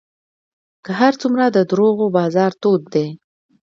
که هر څومره د دروغو بازار تود دی